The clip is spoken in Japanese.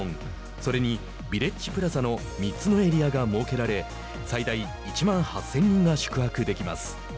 それにビレッジプラザの３つのエリアが設けられ最大１万８０００人が宿泊できます。